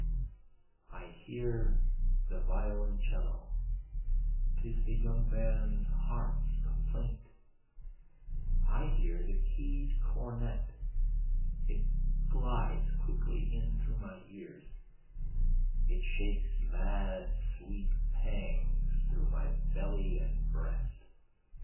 I hear the violoncello, ('tis the young man's heart's complaint,) I hear the key'd cornet, it glides quickly in through my ears, It shakes mad sweet pangs through my belly and breast.